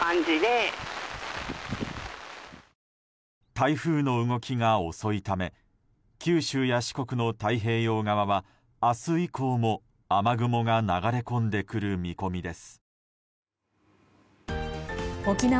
台風の動きが遅いため九州や四国の太平洋側は明日以降も雨雲が流れ込んでくる見込みです。